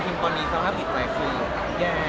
คิมตอนนี้สภาพหิตใจคือแย่มาก